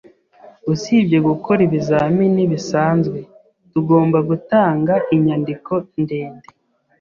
Usibye gukora ibizamini bisanzwe, tugomba gutanga inyandiko ndende